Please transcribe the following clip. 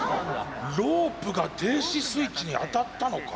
ロープが停止スイッチに当たったのか？